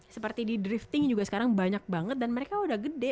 enam seperti di drifting juga sekarang banyak banget dan mereka udah gede